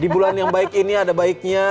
di bulan yang baik ini ada baiknya